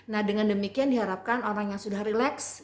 nah dengan demikian diharapkan orang yang sudah relax